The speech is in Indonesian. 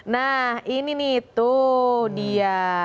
nah ini nih tuh dia